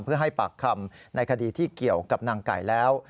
เพื่อให้ปากคำในคดีที่เกี่ยวกับนางไก่แล้ว